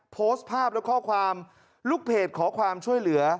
โพสต์ภาพและข้อความลูกเพจขอความช่วยเหลือ